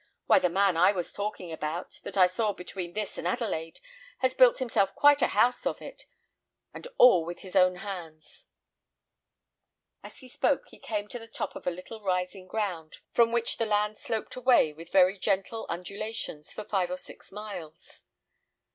Why, the man that I was talking about, that I saw between this and Adelaide, has built himself quite a house of it, and all with his own hands." As he spoke, they came to the top of a little rising ground, from which the land sloped away with very gentle undulations for five or six miles.